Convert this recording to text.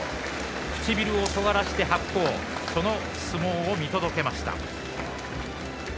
唇をとがらして白鵬その相撲を見届けました。